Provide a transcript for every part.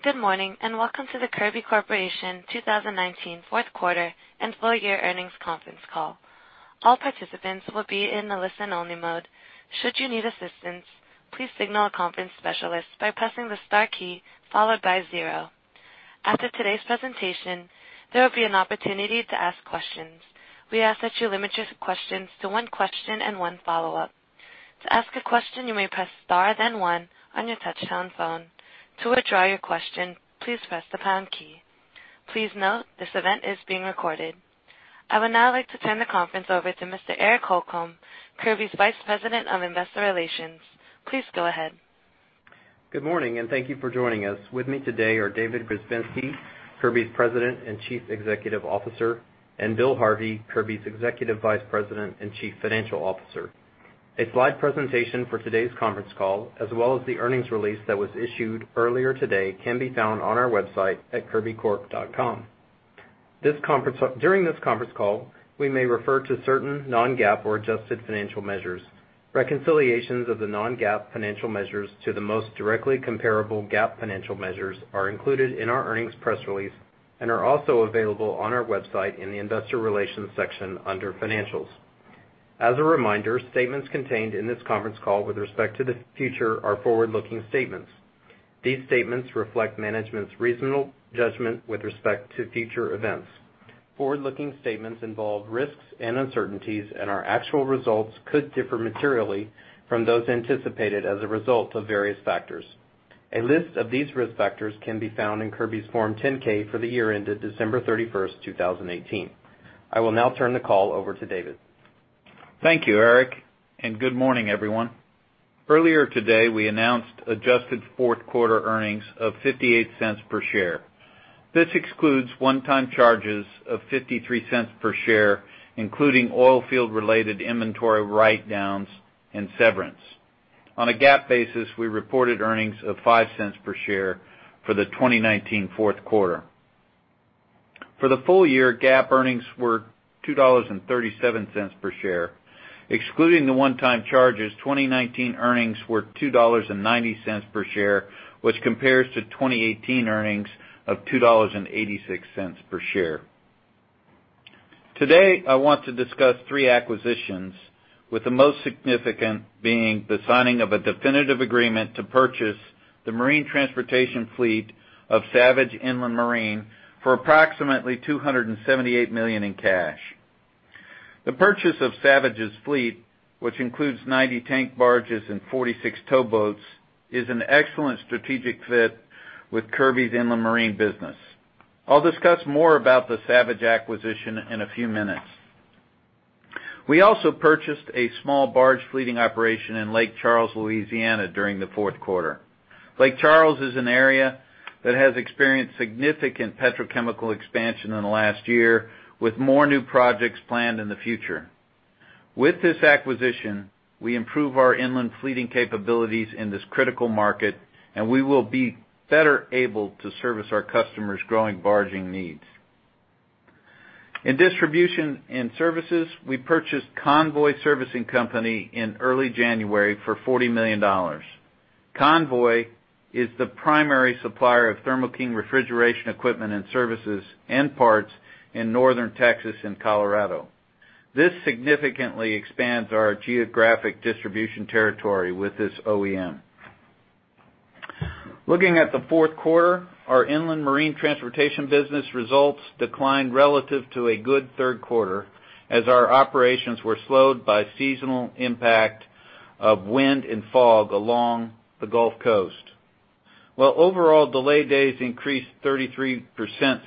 Good morning, and welcome to the Kirby Corporation 2019 fourth quarter and full year earnings conference call. All participants will be in the listen-only mode. Should you need assistance, please signal a conference specialist by pressing the star key followed by zero. After today's presentation, there will be an opportunity to ask questions. We ask that you limit your questions to one question and one follow-up. To ask a question, you may press star, then one on your touchtone phone. To withdraw your question, please press the pound key. Please note, this event is being recorded. I would now like to turn the conference over to Mr. Eric Holcomb, Kirby's VP of Investor Relations. Please go ahead. Good morning, and thank you for joining us. With me today are David Grzebinski, Kirby's President and CEO, and Bill Harvey, Kirby's EVP and CFO. A slide presentation for today's conference call, as well as the earnings release that was issued earlier today, can be found on our website at kirbycorp.com. During this conference call, we may refer to certain non-GAAP or adjusted financial measures. Reconciliations of the non-GAAP financial measures to the most directly comparable GAAP financial measures are included in our earnings press release and are also available on our website in the Investor Relations section under Financials. As a reminder, statements contained in this conference call with respect to the future are forward-looking statements. These statements reflect management's reasonable judgment with respect to future events. Forward-looking statements involve risks and uncertainties, and our actual results could differ materially from those anticipated as a result of various factors. A list of these risk factors can be found in Kirby's Form 10-K for the year ended December 31st, 2018. I will now turn the call over to David. Thank you, Eric, and good morning, everyone. Earlier today, we announced adjusted fourth quarter earnings of $0.58 per share. This excludes one-time charges of $0.53 per share, including oil field-related inventory write-downs and severance. On a GAAP basis, we reported earnings of $0.05 per share for the 2019 fourth quarter. For the full year, GAAP earnings were $2.37 per share. Excluding the one-time charges, 2019 earnings were $2.90 per share, which compares to 2018 earnings of $2.86 per share. Today, I want to discuss three acquisitions, with the most significant being the signing of a definitive agreement to purchase the marine transportation fleet of Savage Inland Marine for approximately $278 million in cash. The purchase of Savage's fleet, which includes 90 tank barges and 46 towboats, is an excellent strategic fit with Kirby's Inland Marine business. I'll discuss more about the Savage acquisition in a few minutes. We also purchased a small barge fleeting operation in Lake Charles, Louisiana, during the fourth quarter. Lake Charles is an area that has experienced significant petrochemical expansion in the last year, with more new projects planned in the future. With this acquisition, we improve our inland fleeting capabilities in this critical market, and we will be better able to service our customers' growing barging needs. In distribution and services, we purchased Convoy Servicing Company in early January for $40 million. Convoy is the primary supplier of Thermo King refrigeration equipment and services and parts in northern Texas and Colorado. This significantly expands our geographic distribution territory with this OEM. Looking at the fourth quarter, our Inland Marine Transportation business results declined relative to a good third quarter, as our operations were slowed by seasonal impact of wind and fog along the Gulf Coast. While overall delay days increased 33%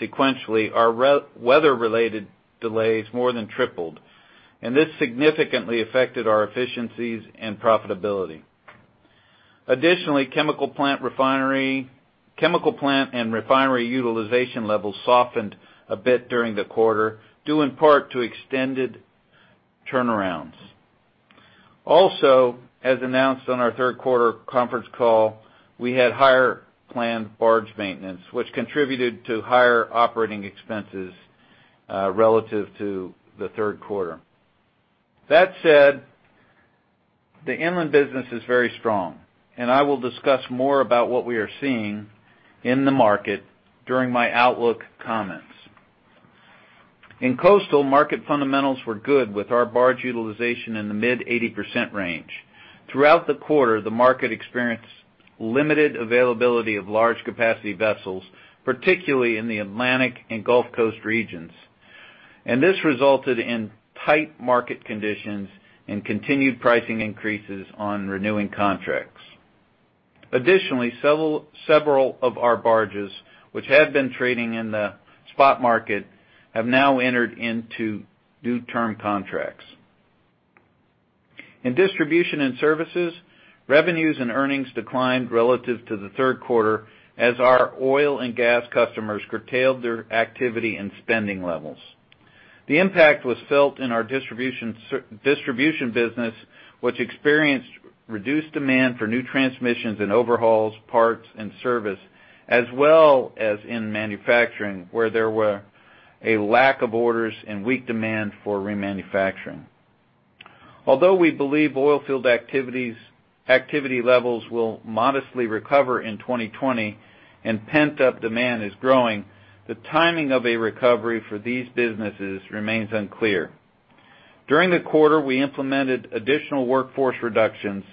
sequentially, our weather-related delays more than tripled, and this significantly affected our efficiencies and profitability. Additionally, chemical plant and refinery utilization levels softened a bit during the quarter, due in part to extended turnarounds. Also, as announced on our third quarter conference call, we had higher planned barge maintenance, which contributed to higher operating expenses relative to the third quarter. That said, the Inland business is very strong, and I will discuss more about what we are seeing in the market during my outlook comments. In Coastal, market fundamentals were good, with our barge utilization in the mid-80% range. Throughout the quarter, the market experienced limited availability of large capacity vessels, particularly in the Atlantic and Gulf Coast regions, and this resulted in tight market conditions and continued pricing increases on renewing contracts. Additionally, several of our barges, which had been trading in the spot market, have now entered into new term contracts. In distribution and services, revenues and earnings declined relative to the third quarter as our oil and gas customers curtailed their activity and spending levels. The impact was felt in our Distribution business, which experienced reduced demand for new transmissions and overhauls, parts, and service, as well as in manufacturing, where there were a lack of orders and weak demand for remanufacturing. Although we believe oil field activities, activity levels will modestly recover in 2020 and pent-up demand is growing, the timing of a recovery for these businesses remains unclear. During the quarter, we implemented additional workforce reductions,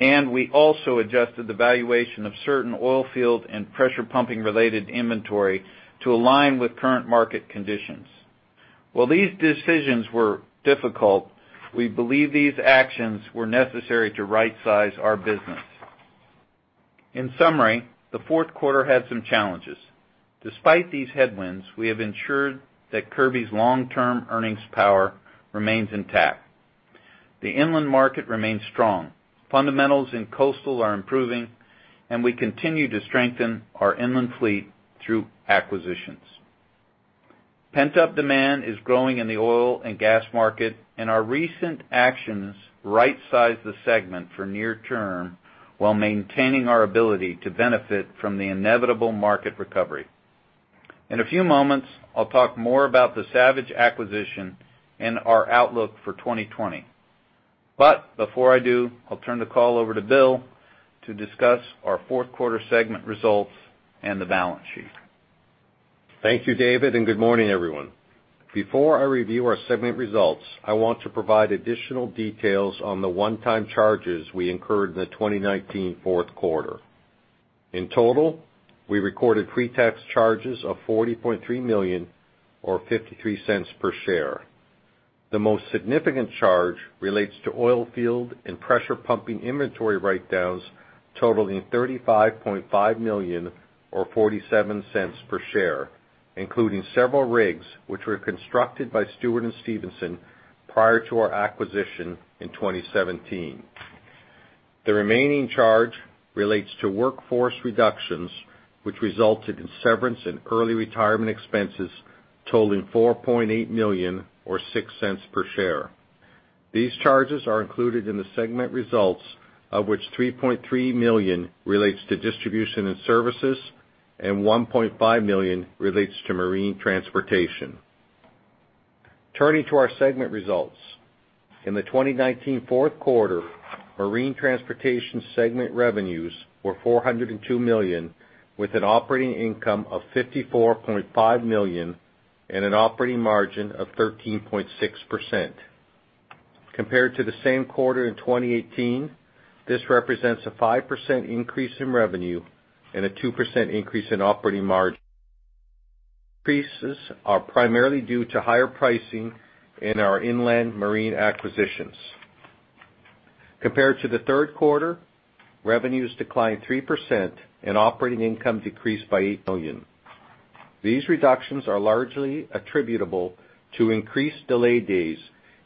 and we also adjusted the valuation of certain oil field and pressure pumping-related inventory to align with current market conditions. While these decisions were difficult, we believe these actions were necessary to rightsize our business. In summary, the fourth quarter had some challenges. Despite these headwinds, we have ensured that Kirby's long-term earnings power remains intact. The Inland market remains strong, fundamentals in Coastal are improving, and we continue to strengthen our inland fleet through acquisitions. Pent-up demand is growing in the oil and gas market, and our recent actions rightsize the segment for near term while maintaining our ability to benefit from the inevitable market recovery. In a few moments, I'll talk more about the Savage acquisition and our outlook for 2020. Before I do, I'll turn the call over to Bill to discuss our fourth quarter segment results and the balance sheet. Thank you, David, and good morning, everyone. Before I review our segment results, I want to provide additional details on the one-time charges we incurred in the 2019 fourth quarter. In total, we recorded pretax charges of $40.3 million or $0.53 per share. The most significant charge relates to oil field and pressure pumping inventory write-downs totaling $35.5 million or $0.47 per share, including several rigs, which were constructed by Stewart & Stevenson prior to our acquisition in 2017. The remaining charge relates to workforce reductions, which resulted in severance and early retirement expenses totaling $4.8 million or $0.06 per share. These charges are included in the segment results, of which $3.3 million relates to distribution and services, and $1.5 million relates to marine transportation. Turning to our segment results. In the 2019 fourth quarter, Marine Transportation segment revenues were $402 million, with an operating income of $54.5 million and an operating margin of 13.6%. Compared to the same quarter in 2018, this represents a 5% increase in revenue and a 2% increase in operating margin. Increases are primarily due to higher pricing in our Inland Marine acquisitions. Compared to the third quarter, revenues declined 3% and operating income decreased by $8 million. These reductions are largely attributable to increased delay days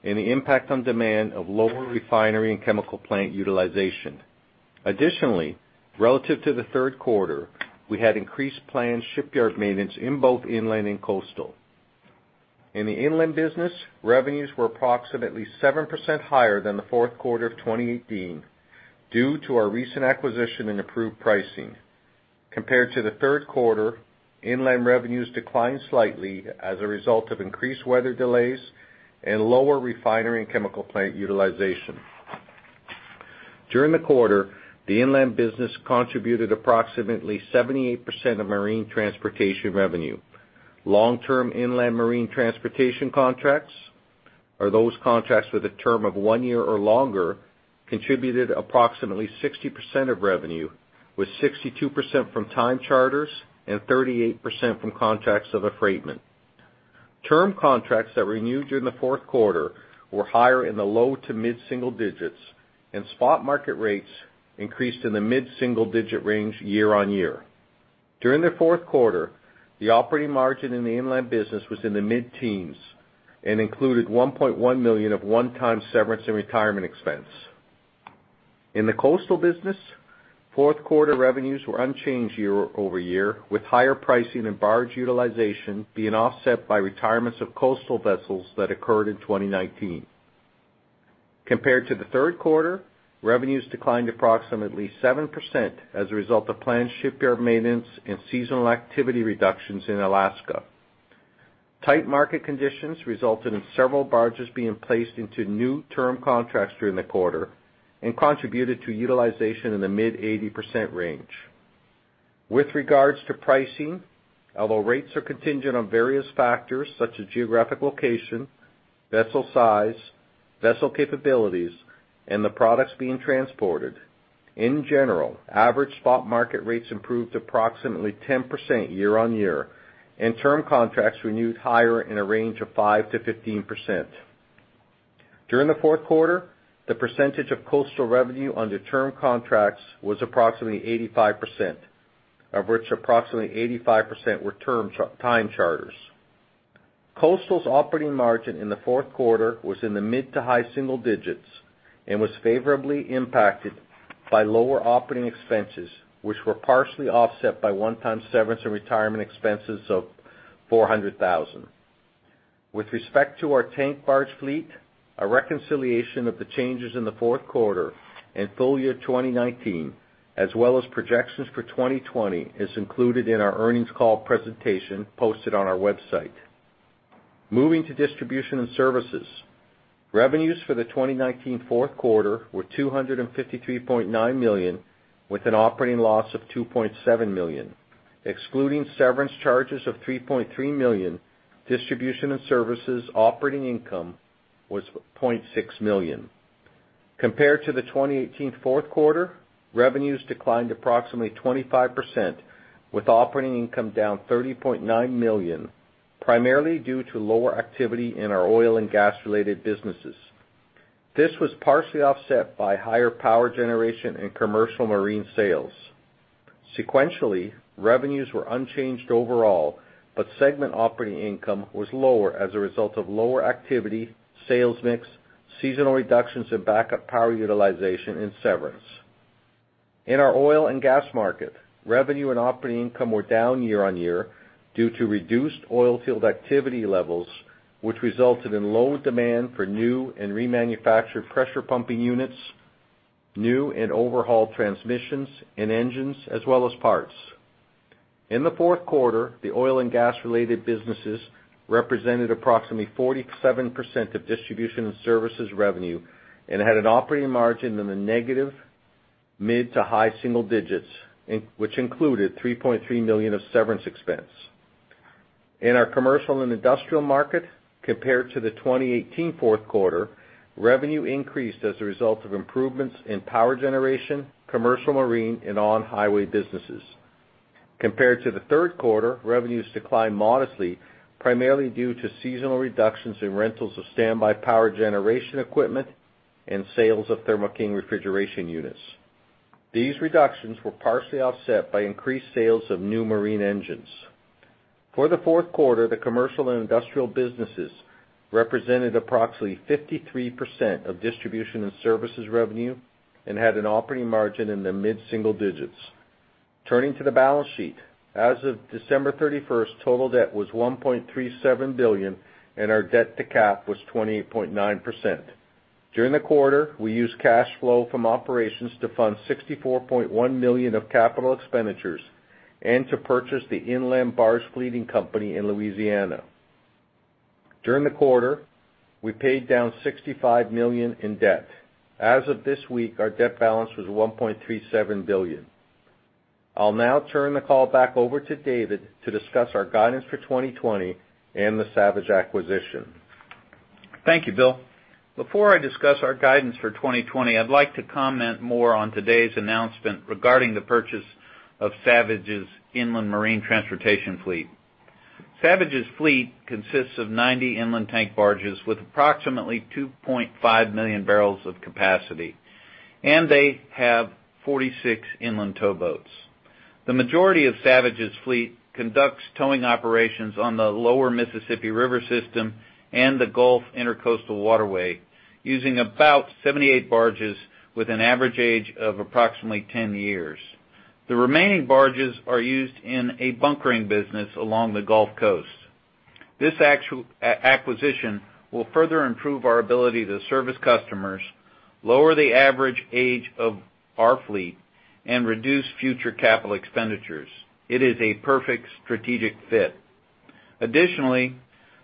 and the impact on demand of lower refinery and chemical plant utilization. Additionally, relative to the third quarter, we had increased planned shipyard maintenance in both Inland and Coastal. In the Inland business, revenues were approximately 7% higher than the fourth quarter of 2018 due to our recent acquisition and improved pricing. Compared to the third quarter, Inland revenues declined slightly as a result of increased weather delays and lower refinery and chemical plant utilization. During the quarter, the Inland business contributed approximately 78% of marine transportation revenue. Long-term Inland Marine transportation contracts, or those contracts with a term of one year or longer, contributed approximately 60% of revenue, with 62% from time charters and 38% from contracts of affreightment. Term contracts that renewed during the fourth quarter were higher in the low to mid-single digits, and spot market rates increased in the mid-single-digit range year-on-year. During the fourth quarter, the operating margin in the Inland business was in the mid-teens and included $1.1 million of one-time severance and retirement expense. In the Coastal business, fourth quarter revenues were unchanged year-over-year, with higher pricing and barge utilization being offset by retirements of Coastal vessels that occurred in 2019. Compared to the third quarter, revenues declined approximately 7% as a result of planned shipyard maintenance and seasonal activity reductions in Alaska. Tight market conditions resulted in several barges being placed into new term contracts during the quarter and contributed to utilization in the mid-80% range. With regards to pricing, although rates are contingent on various factors such as geographic location, vessel size, vessel capabilities, and the products being transported, in general, average spot market rates improved approximately 10% year-on-year, and term contracts renewed higher in a range of 5%-15%. During the fourth quarter, the percentage of Coastal revenue under term contracts was approximately 85%, of which approximately 85% were time charters. Coastal's operating margin in the fourth quarter was in the mid to high single digits and was favorably impacted by lower operating expenses, which were partially offset by one-time severance and retirement expenses of $400,000. With respect to our tank barge fleet, a reconciliation of the changes in the fourth quarter and full year 2019 as well as projections for 2020, is included in our earnings call presentation posted on our website. Moving to Distribution and Services, revenues for the 2019 fourth quarter were $253.9 million, with an operating loss of $2.7 million. Excluding severance charges of $3.3 million, Distribution and Services operating income was $0.6 million. Compared to the 2018 fourth quarter, revenues declined approximately 25%, with operating income down $30.9 million, primarily due to lower activity in our oil and gas-related businesses. This was partially offset by higher power generation and commercial marine sales. Sequentially, revenues were unchanged overall, but segment operating income was lower as a result of lower activity, sales mix, seasonal reductions in backup power utilization, and severance. In our oil and gas market, revenue and operating income were down year-on-year due to reduced oil field activity levels, which resulted in lower demand for new and remanufactured pressure pumping units, new and overhauled transmissions and engines, as well as parts. In the fourth quarter, the Oil and Gas-related businesses represented approximately 47% of distribution and services revenue and had an operating margin in the negative mid- to high-single-digits, in which included $3.3 million of severance expense. In our commercial and industrial market, compared to the 2018 fourth quarter, revenue increased as a result of improvements in Power Generation, Commercial Marine, and On-Highway businesses. Compared to the third quarter, revenues declined modestly, primarily due to seasonal reductions in rentals of standby power generation equipment and sales of Thermo King refrigeration units. These reductions were partially offset by increased sales of new marine engines. For the fourth quarter, the Commercial and Industrial businesses represented approximately 53% of distribution and services revenue and had an operating margin in the mid-single digits. Turning to the balance sheet. As of December 31st, total debt was $1.37 billion, and our debt-to-cap was 28.9%. During the quarter, we used cash flow from operations to fund $64.1 million of capital expenditures and to purchase the inland barge fleeting company in Louisiana. During the quarter, we paid down $65 million in debt. As of this week, our debt balance was $1.37 billion. I'll now turn the call back over to David to discuss our guidance for 2020 and the Savage acquisition. Thank you, Bill. Before I discuss our guidance for 2020, I'd like to comment more on today's announcement regarding the purchase of Savage's Inland Marine transportation fleet. Savage's fleet consists of 90 inland tank barges with approximately 2.5 million barrels of capacity, and they have 46 inland towboats. The majority of Savage's fleet conducts towing operations on the Lower Mississippi River system and the Gulf Intracoastal Waterway, using about 78 barges with an average age of approximately 10 years. The remaining barges are used in a bunkering business along the Gulf Coast. This acquisition will further improve our ability to service customers, lower the average age of our fleet, and reduce future capital expenditures. It is a perfect strategic fit. Additionally,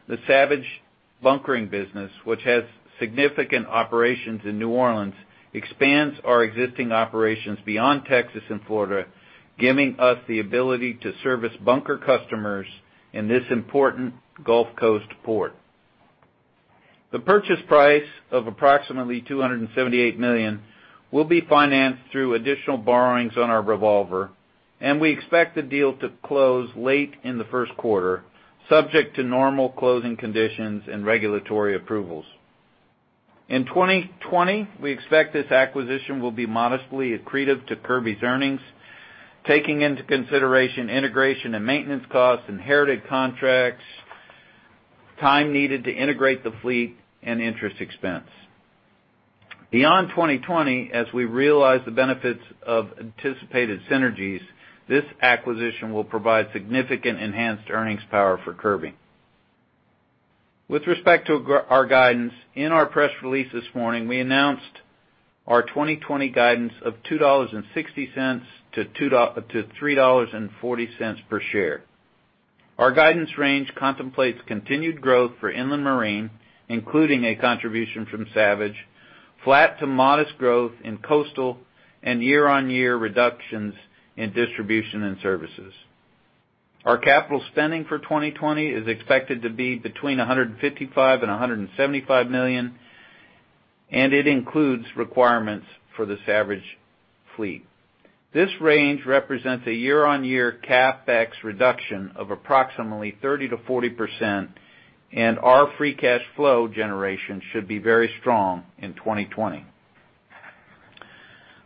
the Savage bunkering business, which has significant operations in New Orleans, expands our existing operations beyond Texas and Florida, giving us the ability to service bunker customers in this important Gulf Coast port. The purchase price of approximately $278 million will be financed through additional borrowings on our revolver, and we expect the deal to close late in the first quarter, subject to normal closing conditions and regulatory approvals. In 2020, we expect this acquisition will be modestly accretive to Kirby's earnings, taking into consideration integration and maintenance costs, inherited contracts, time needed to integrate the fleet, and interest expense. Beyond 2020, as we realize the benefits of anticipated synergies, this acquisition will provide significant enhanced earnings power for Kirby. With respect to our guidance, in our press release this morning, we announced our 2020 guidance of $2.60-$3.40 per share. Our guidance range contemplates continued growth for Inland Marine, including a contribution from Savage, flat to modest growth in Coastal, and year-on-year reductions in Distribution and Services. Our capital spending for 2020 is expected to be between $155 million and $175 million, and it includes requirements for the Savage fleet. This range represents a year-on-year CapEx reduction of approximately 30%-40%, and our free cash flow generation should be very strong in 2020.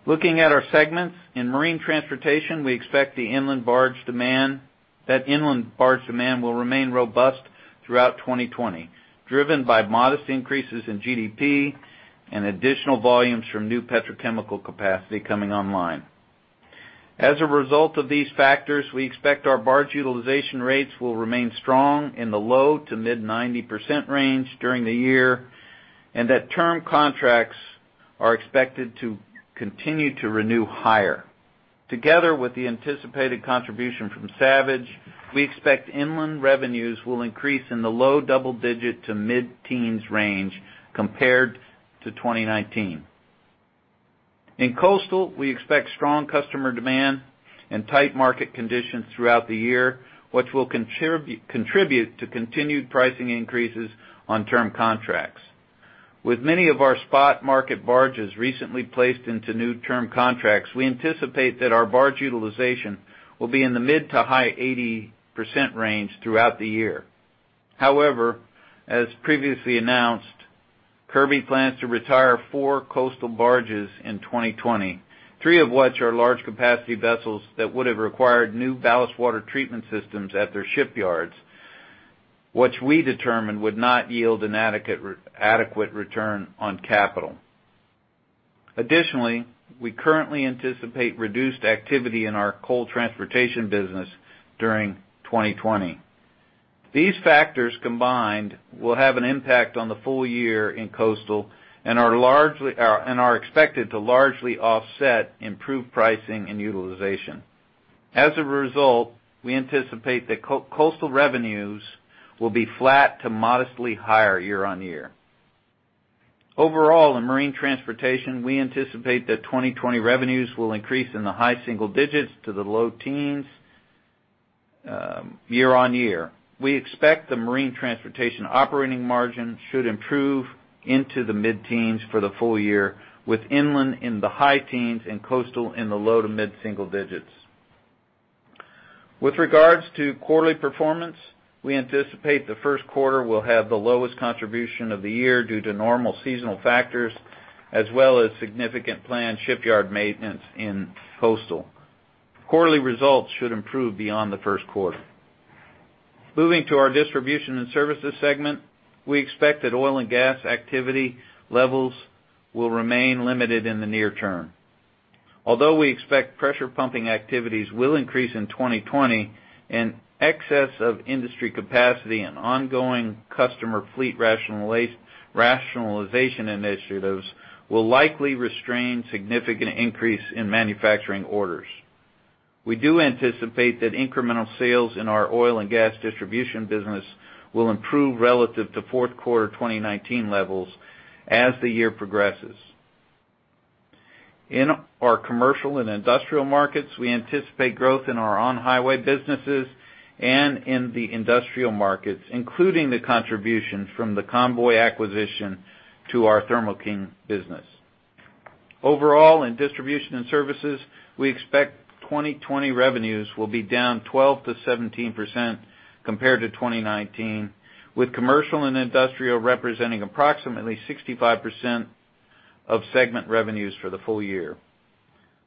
Looking at our segments, in marine transportation, we expect the inland barge demand... That inland barge demand will remain robust throughout 2020, driven by modest increases in GDP and additional volumes from new petrochemical capacity coming online. As a result of these factors, we expect our barge utilization rates will remain strong in the low- to mid-90% range during the year, and that term contracts are expected to continue to renew higher. Together with the anticipated contribution from Savage, we expect Inland revenues will increase in the low double-digit to mid-teens range compared to 2019. In Coastal, we expect strong customer demand and tight market conditions throughout the year, which will contribute to continued pricing increases on term contracts. With many of our spot market barges recently placed into new term contracts, we anticipate that our barge utilization will be in the mid- to high-80% range throughout the year. However, as previously announced, Kirby plans to retire 4 Coastal barges in 2020, 3 of which are large capacity vessels that would have required new ballast water treatment systems at their shipyards, which we determined would not yield an adequate return on capital. Additionally, we currently anticipate reduced activity in our Coal Transportation business during 2020. These factors combined will have an impact on the full year in Coastal and are expected to largely offset improved pricing and utilization. As a result, we anticipate that Coastal revenues will be flat to modestly higher year-on-year. Overall, in marine transportation, we anticipate that 2020 revenues will increase in the high single-digits to the low teens year-on-year. We expect the marine transportation operating margin should improve into the mid-teens for the full year, with Inland in the high teens and Coastal in the low-to-mid-single digits. With regards to quarterly performance, we anticipate the first quarter will have the lowest contribution of the year due to normal seasonal factors, as well as significant planned shipyard maintenance in Coastal. Quarterly results should improve beyond the first quarter. Moving to our Distribution and Services segment, we expect that oil and gas activity levels will remain limited in the near-term. Although we expect pressure pumping activities will increase in 2020, an excess of industry capacity and ongoing customer fleet rationalization initiatives will likely restrain significant increase in manufacturing orders. We do anticipate that incremental sales in our Oil and Gas Distribution business will improve relative to fourth quarter 2019 levels as the year progresses. In our commercial and industrial markets, we anticipate growth in our On-Highway businesses and in the Industrial markets, including the contribution from the Convoy acquisition to our Thermo King business. Overall, in distribution and services, we expect 2020 revenues will be down 12%-17% compared to 2019, with commercial and industrial representing approximately 65% of segment revenues for the full year.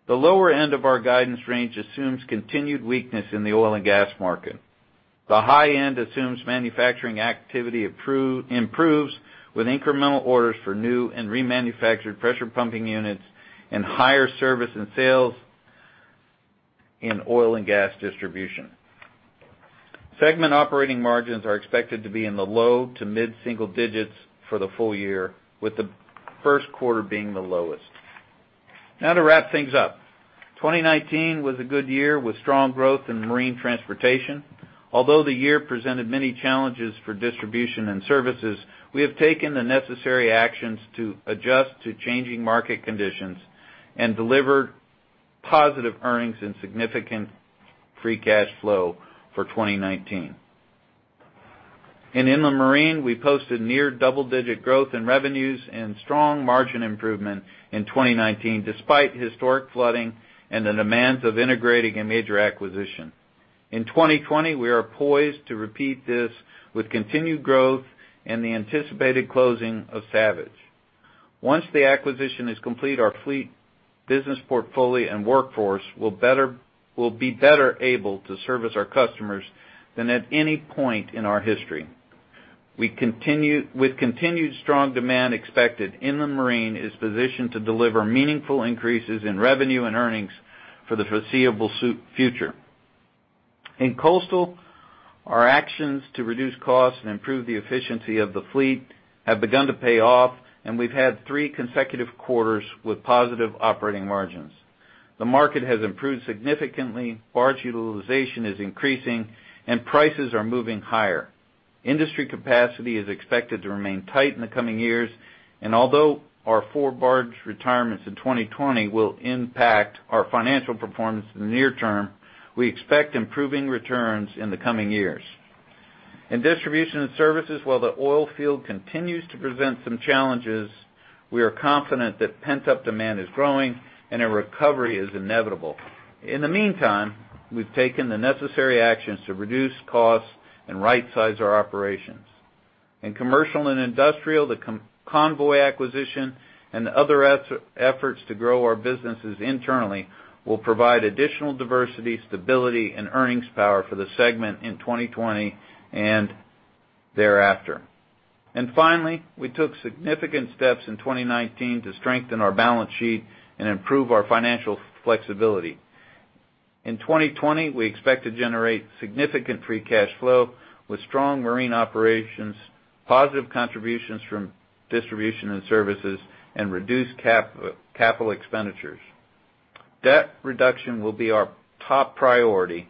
The lower end of our guidance range assumes continued weakness in the oil and gas market. The high end assumes manufacturing activity improves with incremental orders for new and remanufactured pressure pumping units and higher service and sales in oil and gas distribution. Segment operating margins are expected to be in the low to mid-single digits for the full year, with the first quarter being the lowest. Now to wrap things up. 2019 was a good year with strong growth in marine transportation. Although the year presented many challenges for distribution and services, we have taken the necessary actions to adjust to changing market conditions and delivered positive earnings and significant free cash flow for 2019. In Inland Marine, we posted near double-digit growth in revenues and strong margin improvement in 2019, despite historic flooding and the demands of integrating a major acquisition. In 2020, we are poised to repeat this with continued growth and the anticipated closing of Savage. Once the acquisition is complete, our fleet, business portfolio, and workforce will be better able to service our customers than at any point in our history. With continued strong demand expected, Inland Marine is positioned to deliver meaningful increases in revenue and earnings for the foreseeable future. In Coastal, our actions to reduce costs and improve the efficiency of the fleet have begun to pay off, and we've had three consecutive quarters with positive operating margins. The market has improved significantly, barge utilization is increasing, and prices are moving higher. Industry capacity is expected to remain tight in the coming years, and although our four barge retirements in 2020 will impact our financial performance in the near-term, we expect improving returns in the coming years. In distribution and services, while the oil field continues to present some challenges, we are confident that pent-up demand is growing and a recovery is inevitable. In the meantime, we've taken the necessary actions to reduce costs and rightsize our operations. In commercial and industrial, the Convoy acquisition and other efforts to grow our businesses internally will provide additional diversity, stability, and earnings power for the segment in 2020 and thereafter. Finally, we took significant steps in 2019 to strengthen our balance sheet and improve our financial flexibility. In 2020, we expect to generate significant free cash flow with strong marine operations, positive contributions from distribution and services, and reduced capital expenditures. Debt reduction will be our top priority,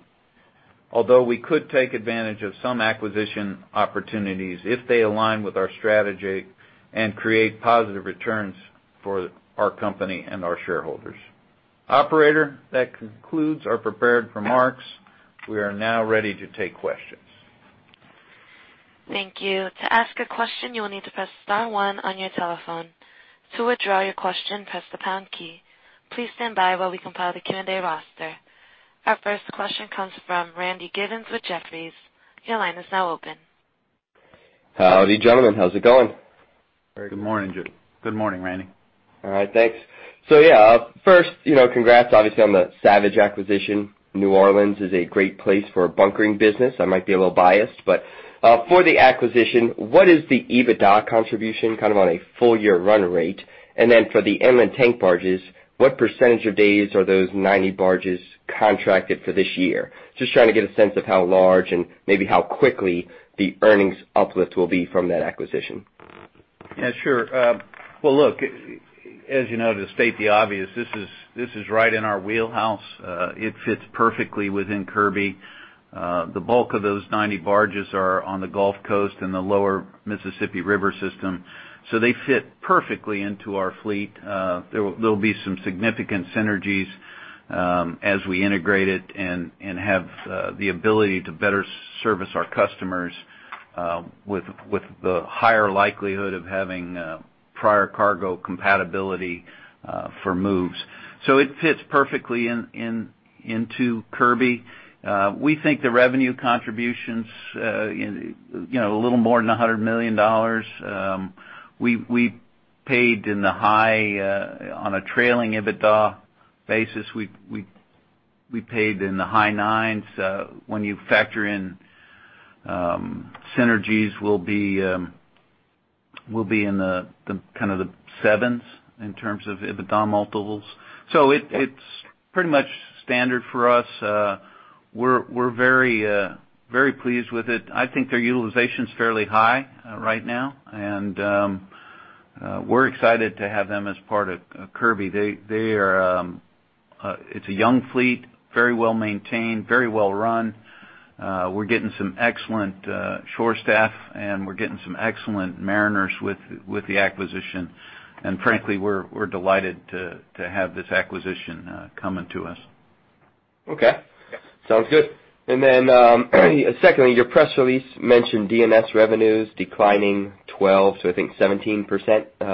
although we could take advantage of some acquisition opportunities if they align with our strategy and create positive returns for our company and our shareholders. Operator, that concludes our prepared remarks. We are now ready to take questions. Thank you. To ask a question, you will need to press star one on your telephone. To withdraw your question, press the pound key. Please stand by while we compile the Q&A roster. Our first question comes from Randy Giveans with Jefferies. Your line is now open. Gentlemen. How's it going? Very good morning. Good morning, Randy. All right. Thanks. So yeah, first, you know, congrats, obviously, on the Savage acquisition. New Orleans is a great place for a Bunkering business. I might be a little biased, but, for the acquisition, what is the EBITDA contribution, kind of on a full-year run rate? And then for the inland tank barges, what percentage of days are those 90 barges contracted for this year? Just trying to get a sense of how large and maybe how quickly the earnings uplift will be from that acquisition. Yeah, sure. Well, look, as you know, to state the obvious, this is right in our wheelhouse. It fits perfectly within Kirby. The bulk of those 90 barges are on the Gulf Coast and the lower Mississippi River system, so they fit perfectly into our fleet. There'll be some significant synergies, as we integrate it and have the ability to better service our customers, with the higher likelihood of having prior cargo compatibility for moves. So it fits perfectly into Kirby. We think the revenue contributions, you know, a little more than $100 million. We paid in the high, on a trailing EBITDA basis, we paid in the high nines. When you factor in synergies, we'll be in the kind of the sevens in terms of EBITDA multiples. So it, it's pretty much standard for us. We're very pleased with it. I think their utilization's fairly high right now, and we're excited to have them as part of Kirby. It's a young fleet, very well maintained, very well run. We're getting some excellent shore staff, and we're getting some excellent mariners with the acquisition and frankly, we're delighted to have this acquisition coming to us. Okay. Sounds good and then, secondly, your press release mentioned D&S revenues declining 12%-17%, I think,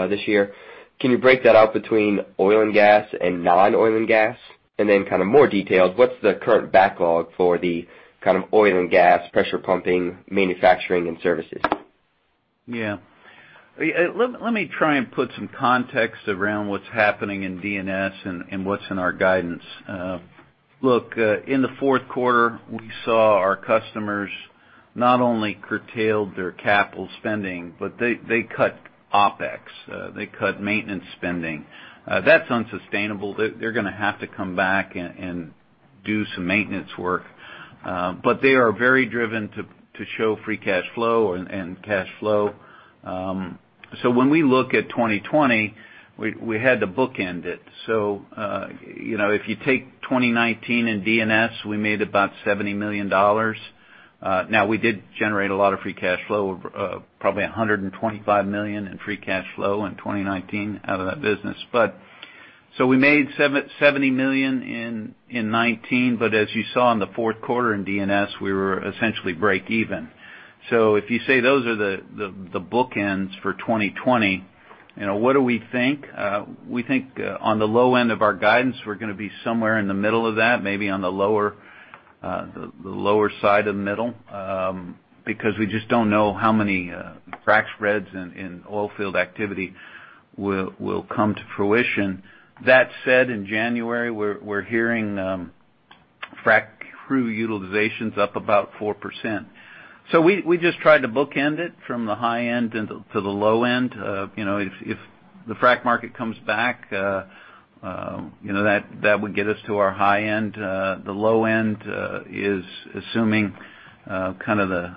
this year. Can you break that out between oil and gas and non-oil and gas? And then kind of more detailed, what's the current backlog for the kind of oil and gas, pressure pumping, manufacturing, and services? Yeah. Let me try and put some context around what's happening in D&S and what's in our guidance. Look, in the fourth quarter, we saw our customers not only curtailed their capital spending, but they cut OpEx, they cut maintenance spending. That's unsustainable. They're gonna have to come back and do some maintenance work, but they are very driven to show free cash flow and cash flow. So when we look at 2020, we had to bookend it. So, you know, if you take 2019 in D&S, we made about $70 million. Now we did generate a lot of free cash flow, probably $125 million in free cash flow in 2019 out of that business. But so we made $77 million in 2019, but as you saw in the fourth quarter in D&S, we were essentially breakeven. So if you say those are the bookends for 2020, you know, what do we think? We think on the low end of our guidance, we're gonna be somewhere in the middle of that, maybe on the lower side of the middle, because we just don't know how many frac spreads and oil field activity will come to fruition. That said, in January, we're hearing frac crew utilization's up about 4%. So we just tried to bookend it from the high end and to the low end. You know, if the frac market comes back, you know, that would get us to our high end. The low end is assuming kind of the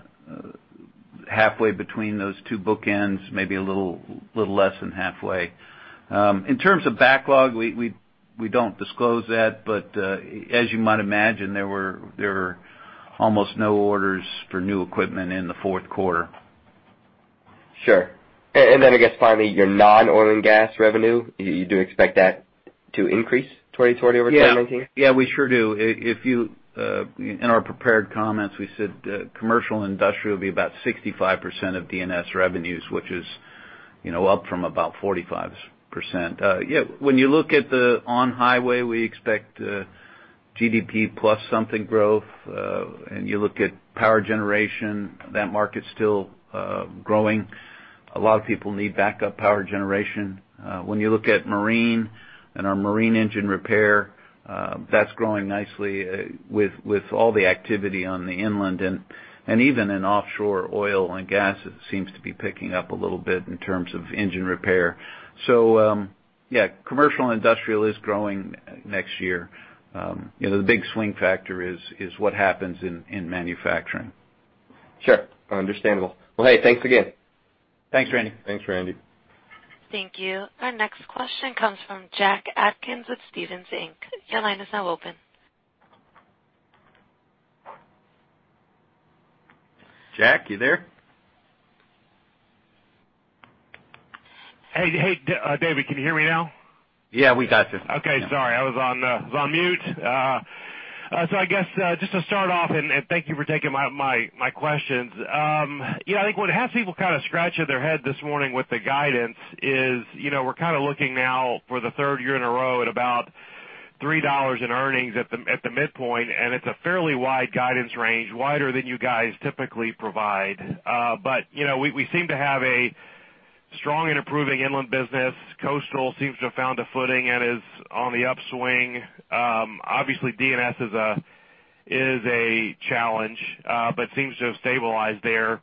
halfway between those two bookends, maybe a little less than halfway. In terms of backlog, we don't disclose that, but as you might imagine, there were almost no orders for new equipment in the fourth quarter. sure and then, I guess, finally, your non-oil and gas revenue, you do expect that to increase 2020 over 2019? Yeah. Yeah, we sure do. In our prepared comments, we said, Commercial and Industrial will be about 65% of D&S revenues, which is, you know, up from about 45%. Yeah, when you look at the on-highway, we expect, GDP plus something growth, and you look at power generation, that market's still growing. A lot of people need backup power generation. When you look at marine and our marine engine repair, that's growing nicely, with all the activity on the Inland and even in offshore oil and gas, it seems to be picking up a little bit in terms of engine repair. So, yeah, Commercial and Industrial is growing next year. You know, the big swing factor is what happens in manufacturing. Sure. Understandable. Well, hey, thanks again. Thanks, Randy. Thanks, Randy. Thank you. Our next question comes from Jack Atkins with Stephens Inc. Your line is now open. Jack, you there? Hey, hey, David, can you hear me now? Yeah, we got you. Okay. Sorry, I was on mute. So I guess just to start off, and thank you for taking my questions. You know, I think what has people kind of scratching their head this morning with the guidance is, you know, we're kind of looking now for the third year in a row at about $3 in earnings at the midpoint, and it's a fairly wide guidance range, wider than you guys typically provide. But, you know, we seem to have a strong and improving Inland business. Coastal seems to have found a footing and is on the upswing. Obviously, D&S is a challenge, but seems to have stabilized there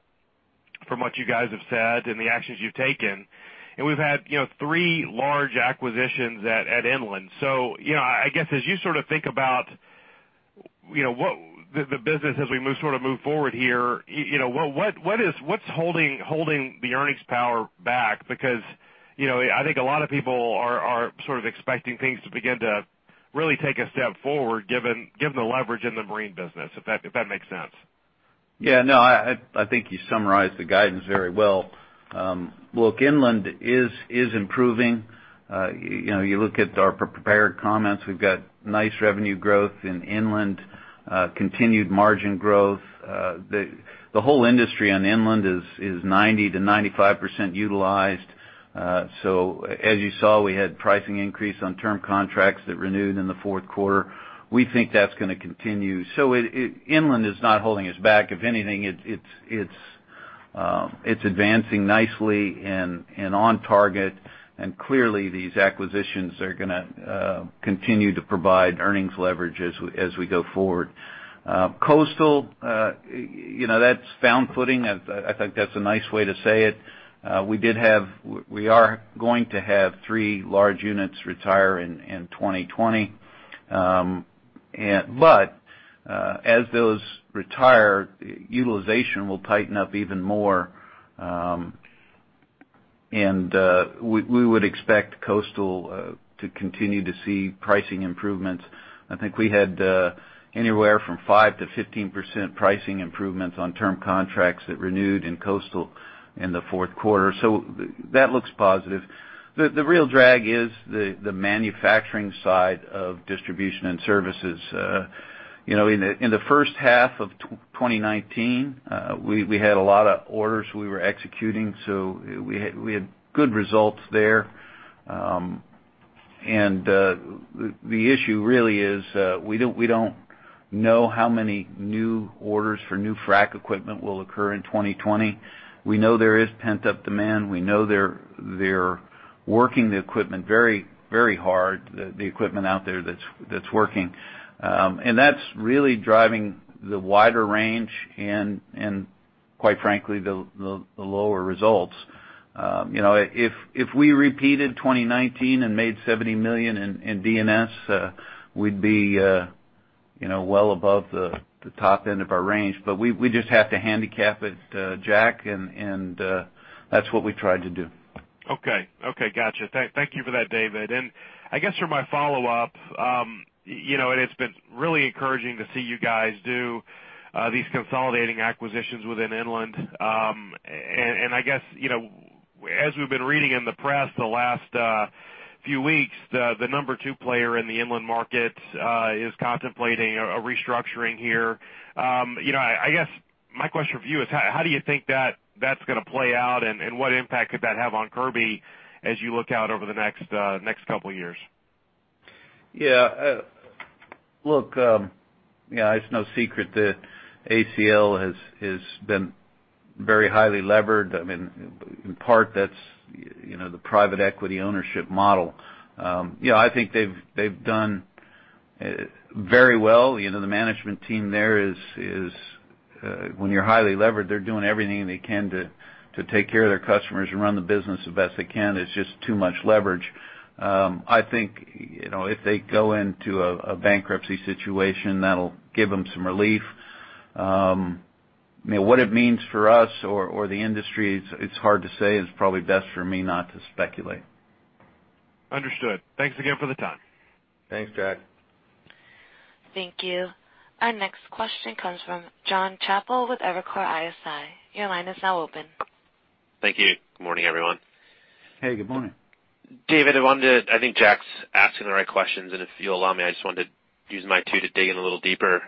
from what you guys have said and the actions you've taken. We've had, you know, three large acquisitions at Inland. So, you know, I guess, as you sort of think about, you know, what the business as we move, sort of move forward here, you know, what's holding the earnings power back? Because, you know, I think a lot of people are sort of expecting things to begin to really take a step forward, given the leverage in the Marine business, if that makes sense. Yeah, no, I think you summarized the guidance very well. Look, Inland is improving. You know, you look at our prepared comments, we've got nice revenue growth in Inland, continued margin growth. The whole industry on Inland is 90%-95% utilized. So as you saw, we had pricing increase on term contracts that renewed in the fourth quarter. We think that's gonna continue. So Inland is not holding us back. If anything, it's advancing nicely and on target, and clearly, these acquisitions are gonna continue to provide earnings leverage as we go forward. Coastal, you know, that's found footing. I think that's a nice way to say it. We are going to have three large units retire in 2020. As those retire, utilization will tighten up even more, and we would expect Coastal to continue to see pricing improvements. I think we had anywhere from 5%-15% pricing improvements on term contracts that renewed in Coastal in the fourth quarter, so that looks positive. The real drag is the manufacturing side of distribution and services. You know, in the first half of 2019, we had a lot of orders we were executing, so we had good results there. The issue really is, we don't know how many new orders for new frac equipment will occur in 2020. We know there is pent-up demand. We know they're working the equipment very, very hard, the equipment out there that's working and that's really driving the wider range and quite frankly, the lower results. You know, if we repeated 2019 and made $70 million in D&S, we'd be, you know, well above the top end of our range. But we just have to handicap it, Jack, and that's what we tried to do. Okay. Okay, gotcha. Thank you for that, David. I guess for my follow-up, you know, and it's been really encouraging to see you guys do these consolidating acquisitions within Inland and I guess, you know, as we've been reading in the press the last few weeks, the number two player in the Inland market is contemplating a restructuring here. You know, I guess my question for you is: how do you think that that's gonna play out, and what impact could that have on Kirby as you look out over the next couple years? Yeah, look, yeah, it's no secret that ACL has, has been very highly levered. I mean, in part, that's, you know, the private equity ownership model. You know, I think they've done very well. You know, the management team there, when you're highly levered, they're doing everything they can to take care of their customers and run the business the best they can. It's just too much leverage. I think, you know, if they go into a, a bankruptcy situation, that'll give them some relief. You know, what it means for us or, or the industry, it's, it's hard to say, and it's probably best for me not to speculate. Understood. Thanks again for the time. Thanks, Jack. Thank you. Our next question comes from Jon Chappell with Evercore ISI. Your line is now open. Thank you. Good morning, everyone. Hey, good morning. David, I think Jack's asking the right questions, and if you'll allow me, I just wanted to use my two to dig in a little deeper.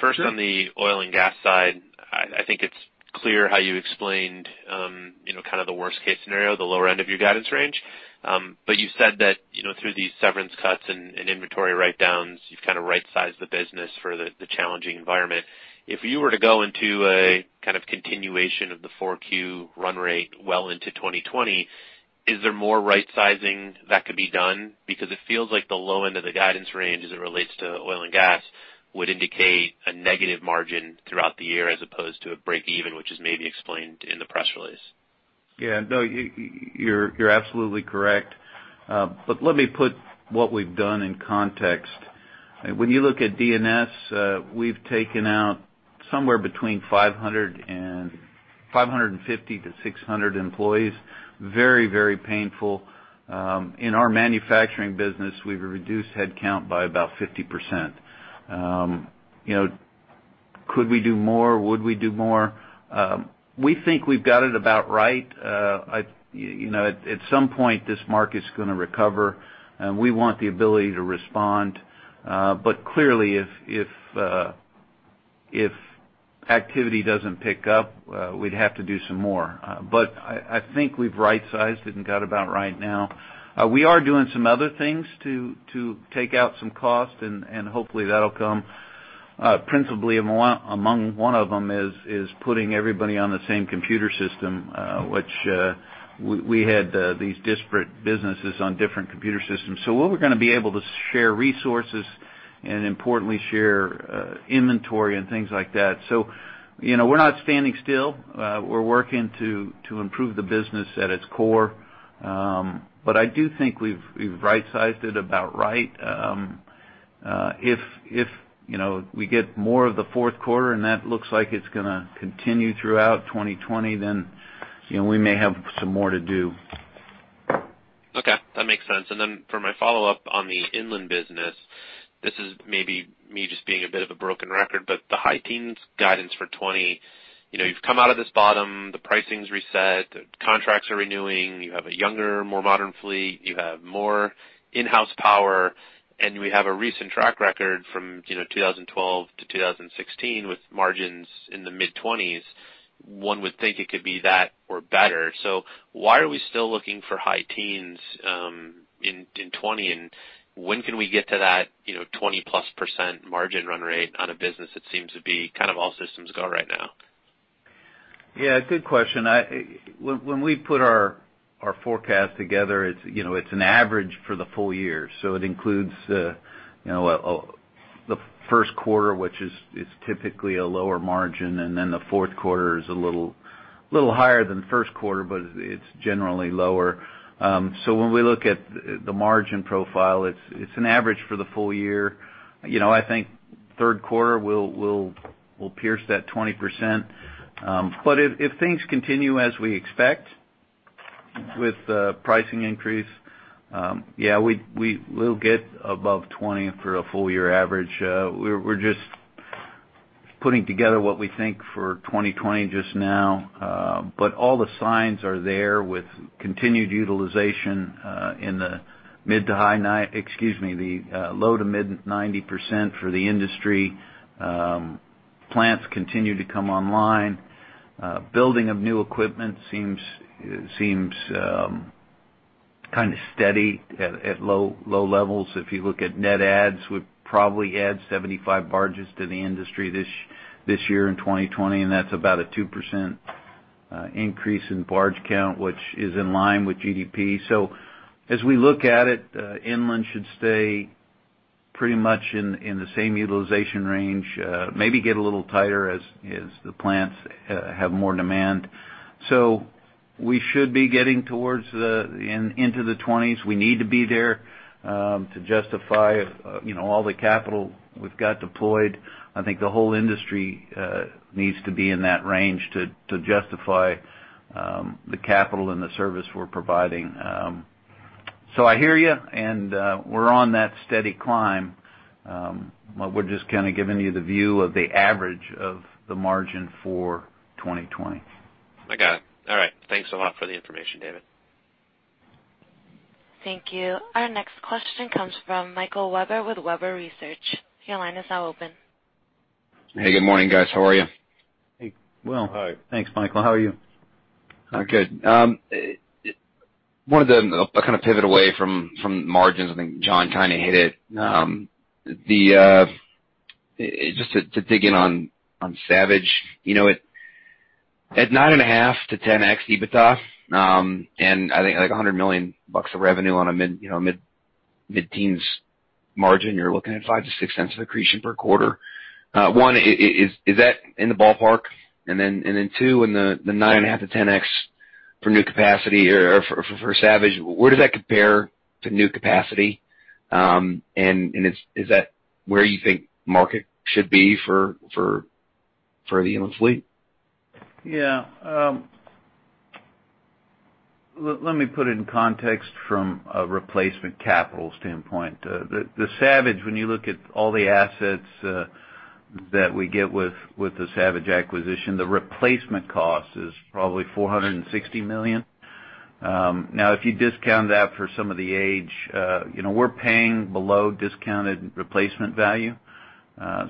First, on the oil and gas side, I think it's clear how you explained, you know, kind of the worst case scenario, the lower end of your guidance range. But you said that, you know, through these severance cuts and inventory write-downs, you've kind of right-sized the business for the challenging environment. If you were to go into a kind of continuation of the 4Q run rate well into 2020, is there more right-sizing that could be done? Because it feels like the low end of the guidance range as it relates to oil and gas would indicate a negative margin throughout the year as opposed to a break even, which is maybe explained in the press release. Yeah, no, you're absolutely correct. But let me put what we've done in context. When you look at D&S, we've taken out somewhere between 550-600 employees. Very, very painful. In our manufacturing business, we've reduced headcount by about 50%. You know, could we do more? Would we do more? We think we've got it about right. I, you know, at some point, this market's gonna recover, and we want the ability to respond. But clearly, if activity doesn't pick up, we'd have to do some more. But I think we've right-sized it and got about right now. We are doing some other things to take out some cost, and hopefully, that'll come. Principally, among one of them is putting everybody on the same computer system, which we had these disparate businesses on different computer systems. So what we're gonna be able to share resources, and importantly, share inventory and things like that. So, you know, we're not standing still. We're working to improve the business at its core. But I do think we've right-sized it about right. If, you know, we get more of the fourth quarter, and that looks like it's gonna continue throughout 2020, then, you know, we may have some more to do. Okay, that makes sense. Then for my follow-up on the Inland business, this is maybe me just being a bit of a broken record, but the high teens guidance for 2020, you know, you've come out of this bottom, the pricing's reset, the contracts are renewing, you have a younger, more modern fleet, you have more in-house power, and we have a recent track record from, you know, 2012 to 2016, with margins in the mid-20s. One would think it could be that or better. So why are we still looking for high teens in 2020? And when can we get to that, you know, 20%+ margin run rate on a business that seems to be kind of all systems go right now? Yeah, good question. When we put our forecast together, it's, you know, it's an average for the full year, so it includes, you know, the first quarter, which is typically a lower margin, and then the fourth quarter is a little higher than the first quarter, but it's generally lower. So when we look at the margin profile, it's an average for the full year. You know, I think third quarter, we'll pierce that 20%. But if things continue as we expect, with the pricing increase, yeah, we will get above 20 for a full year average. We're just putting together what we think for 2020 just now. But all the signs are there with continued utilization in the low to mid 90% for the industry. Plants continue to come online. Building of new equipment seems kind of steady at low levels. If you look at net adds, we've probably added 75 barges to the industry this year in 2020, and that's about a 2% increase in barge count, which is in line with GDP. So as we look at it, Inland should stay pretty much in the same utilization range, maybe get a little tighter as the plants have more demand. So we should be getting towards, into the 20s. We need to be there to justify, you know, all the capital we've got deployed.I think the whole industry needs to be in that range to justify the capital and the service we're providing. So I hear you, and we're on that steady climb. But we're just kind of giving you the view of the average of the margin for 2020. I got it. All right. Thanks a lot for the information, David. Thank you. Our next question comes from Michael Webber with Webber Research. Your line is now open. Hey, good morning, guys. How are you? Hey. Thanks, Michael. How are you? I'm good. Wanted to kind of pivot away from margins. I think Jon kind of hit it. Just to dig in on Savage, you know, at 9.5x-10x EBITDA, and I think, like, $100 million of revenue on a mid-teens margin, you're looking at $0.05-$0.06 of accretion per quarter. One, is that in the ballpark? And then two, in the 9.5x-10x for new capacity or for Savage, where does that compare to new capacity? And is that where you think market should be for the inland fleet? Yeah, let me put it in context from a replacement capital standpoint. The Savage, when you look at all the assets that we get with the Savage acquisition, the replacement cost is probably $460 million. Now, if you discount that for some of the age, you know, we're paying below discounted replacement value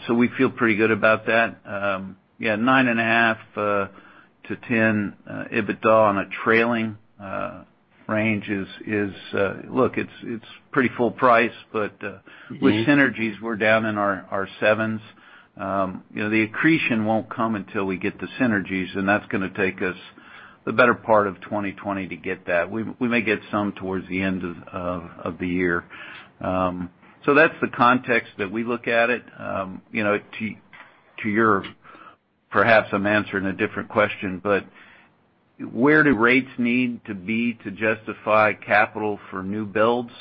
so we feel pretty good about that. Yeah, 9.5x-10x EBITDA on a trailing range is, look, it's pretty full price, but with synergies, we're down in our sevens. You know, the accretion won't come until we get the synergies, and that's going to take us the better part of 2020 to get that. We may get some towards the end of the year. So that's the context that we look at it. You know, to your-perhaps I'm answering a different question, but where do rates need to be to justify capital for new builds?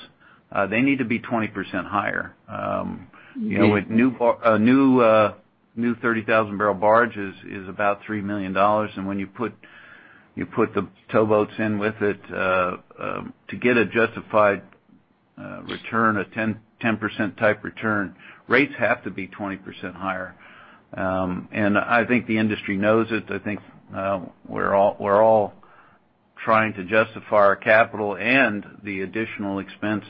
They need to be 20% higher. You know, with a new 30,000-barrel barge is about $3 million and when you put the towboats in with it, to get a justified return, a 10% type return, rates have to be 20% higher and I think the industry knows it. I think we're all trying to justify our capital and the additional expense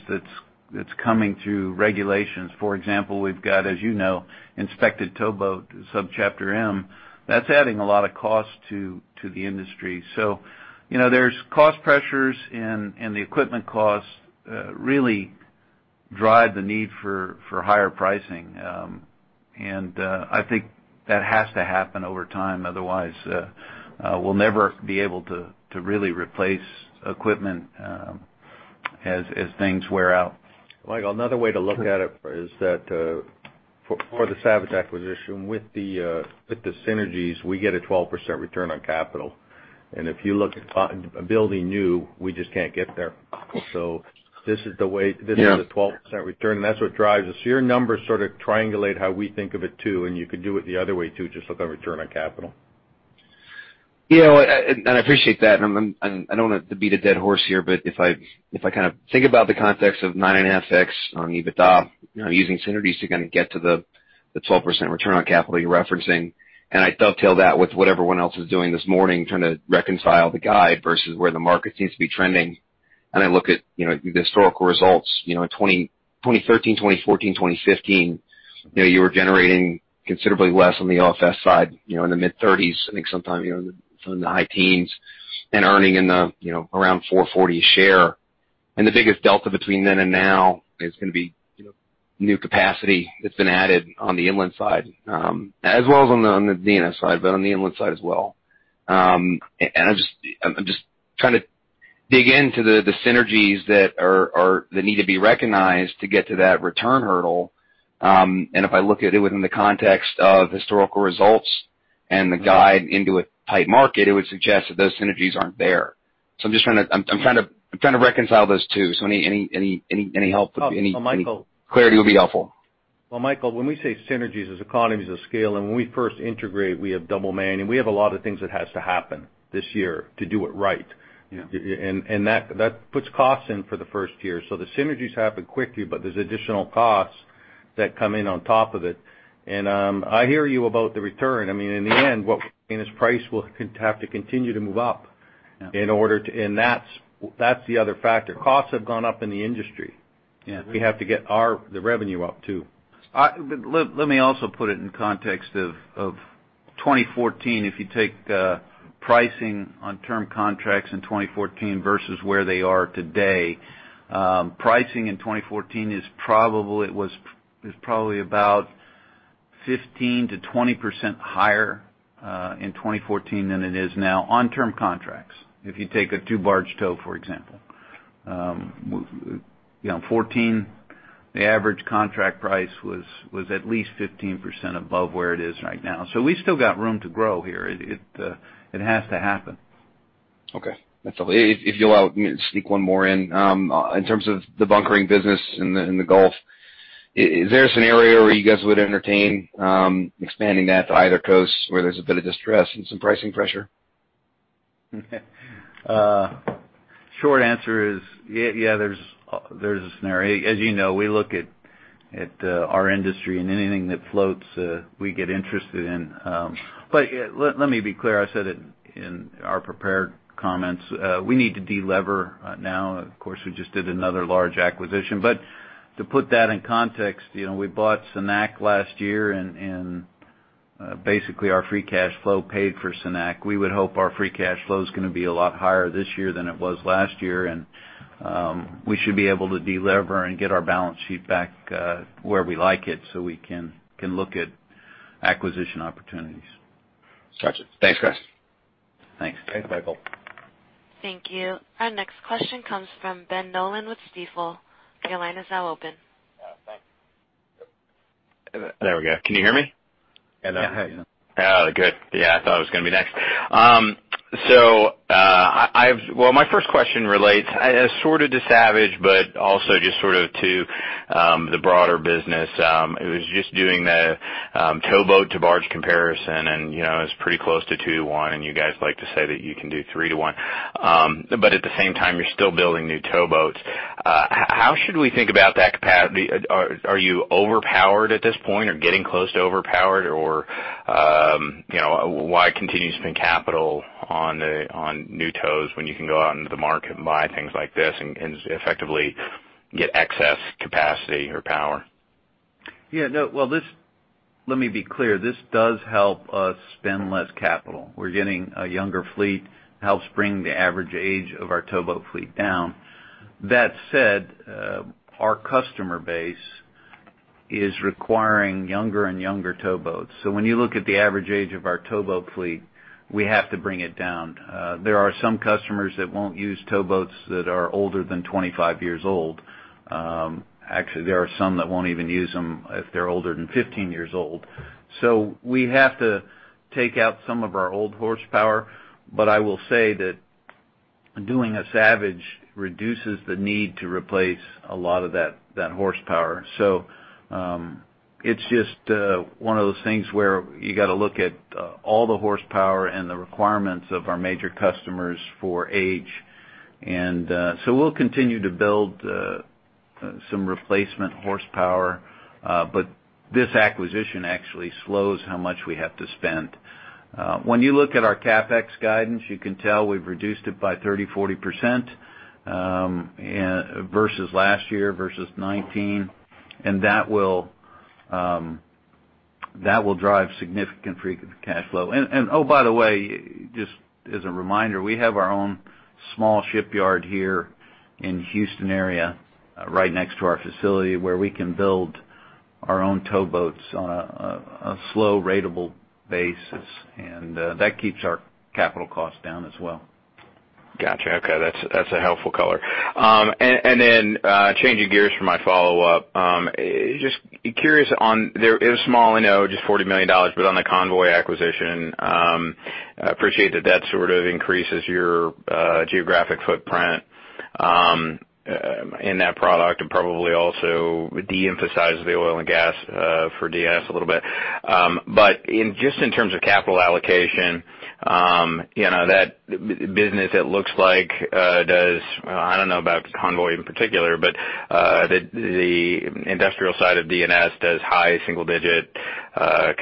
that's coming through regulations. For example, we've got, as you know, inspected towboat, Subchapter M. That's adding a lot of cost to the industry. So, you know, there's cost pressures, and the equipment costs really drive the need for higher pricing and I think that has to happen over time. Otherwise, we'll never be able to really replace equipment, as things wear out. Michael, another way to look at it is that, for the Savage acquisition, with the synergies, we get a 12% return on capital and if you look at it, building new, we just can't get there. So this is the 12% return, and that's what drives us. So your numbers sort of triangulate how we think of it, too, and you could do it the other way, too, just look at return on capital. Yeah, and, and I appreciate that and, and I don't want to beat a dead horse here, but if I, if I kind of think about the context of 9.5x on EBITDA, you know, using synergies to kind of get to the, the 12% return on capital you're referencing, and I dovetail that with what everyone else is doing this morning, trying to reconcile the guide versus where the market seems to be trending and I look at, you know, the historical results, you know, in 2013, 2014, 2015, you know, you were generating considerably less on the OFS side, you know, in the mid-30s, I think sometime, you know, from the high teens, and earning in the, you know, around $4.40 a share. The biggest delta between then and now is going to be, you know, new capacity that's been added on the Inland side, as well as on the D&S side, but on the Inland side as well. I'm just trying to dig into the synergies that need to be recognized to get to that return hurdle and if I look at it within the context of historical results and the guide into a tight market, it would suggest that those synergies aren't there. So I'm just trying to reconcile those two. So any help, any clarity would be helpful. Well, Michael, when we say synergies, there's economies of scale, and when we first integrate, we have double manning. We have a lot of things that has to happen this year to do it right and that puts costs in for the first year. So the synergies happen quickly, but there's additional costs that come in on top of it and I hear you about the return. I mean, in the end, what we mean is price will con- have to continue to move up and that's the other factor. Costs have gone up in the industry. We have to get the revenue up, too. But let me also put it in context of 2014. If you take pricing on term contracts in 2014 versus where they are today, pricing in 2014 is probably about 15%-20% higher in 2014 than it is now on term contracts. If you take a two-barge tow, for example. You know, 2014, the average contract price was at least 15% above where it is right now. So we've still got room to grow here. It has to happen. Okay. That's all. If you'll allow me to sneak one more in, in terms of the Bunkering business in the Gulf, is there a scenario where you guys would entertain expanding that to either coast, where there's a bit of distress and some pricing pressure? Short answer is yeah, there's a scenario. As you know, we look at our industry, and anything that floats, we get interested in. But yeah, let me be clear. I said it in our prepared comments. We need to delever now. Of course, we just did another large acquisition. But to put that in context, you know, we bought Cenac last year, and basically, our free cash flow paid for Cenac. We would hope our free cash flow is going to be a lot higher this year than it was last year, and we should be able to delever and get our balance sheet back where we like it, so we can look at acquisition opportunities. Gotcha. Thanks, guys. Thanks. Thanks, Michael. Thank you. Our next question comes from Ben Nolan with Stifel. Your line is now open. Thanks. There we go. Can you hear me? Yeah, I hear you. Oh, good. Yeah, I thought I was going to be next. So, well, my first question relates sort of to Savage, but also just sort of to the broader business. It was just doing the towboat-to-barge comparison, and, you know, it's pretty close to 2-to-1, and you guys like to say that you can do 3-to-1. But at the same time, you're still building new towboats. How should we think about that capacity? Are you overpowered at this point or getting close to overpowered, or, you know, why continue to spend capital on the new tows when you can go out into the market and buy things like this and effectively get excess capacity or power? Yeah, no. Well, this, let me be clear, this does help us spend less capital. We're getting a younger fleet, helps bring the average age of our towboat fleet down. That said, our customer base is requiring younger and younger towboats. So when you look at the average age of our towboat fleet, we have to bring it down. There are some customers that won't use towboats that are older than 25 years old. Actually, there are some that won't even use them if they're older than 15 years old. So we have to take out some of our old horsepower. But I will say that doing a Savage reduces the need to replace a lot of that, that horsepower. So, it's just one of those things where you got to look at all the horsepower and the requirements of our major customers for age and so we'll continue to build some replacement horsepower, but this acquisition actually slows how much we have to spend. When you look at our CapEx guidance, you can tell we've reduced it by 30%, 40% versus last year, versus 2019, and that will drive significant free cash flow and oh, by the way, just as a reminder, we have our own small shipyard here in Houston area, right next to our facility, where we can build our own towboats on a slow ratable basis, and that keeps our capital costs down as well. Got you. Okay, that's a helpful color and then, changing gears for my follow-up. Just curious on, there, it's small, I know, just $40 million, but on the Convoy acquisition, I appreciate that that sort of increases your geographic footprint in that product, and probably also de-emphasizes the oil and gas for D&S a little bit. But just in terms of capital allocation, you know, that business, it looks like, does I don't know about convoy in particular, but the industrial side of D&S does high single-digit